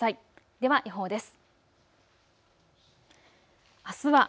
では予報です。